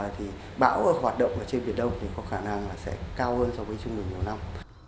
thì bão hoạt động ở trên biển đông thì có khả năng là sẽ cao hơn so với trung bình nhiều năm